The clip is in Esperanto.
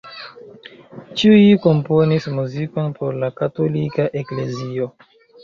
Ĉiuj komponis muzikon por la katolika eklezio.